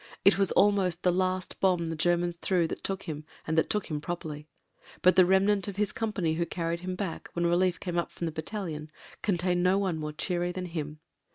It was almost the last bomb the Germans threw that took him, and that took him properly. But the remnant of his company who carried him back, when relief came up from the battalion, contained no one more cheery than him.